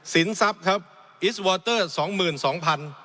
สินทรัพย์ครับอิสวอเตอร์สองหมื่นสองสองพัน